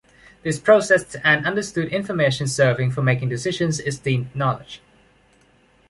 This processed and understood information serving for making decisions is deemed knowledge.